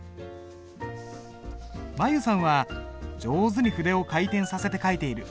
舞悠さんは上手に筆を回転させて書いている。